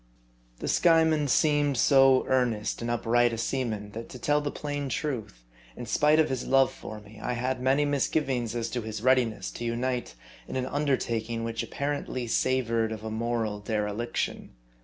THE Skyeman seemed so earnest and upright a seaman, that to tell the plain truth, in spite of his love for me, I had many misgivings as to his readiness to unite in an un dertaking which apparently savored of a moral dereliction.